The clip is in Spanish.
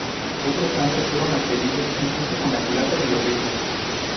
Otros tantos fueron agredidos, incluso con la culata de los rifles.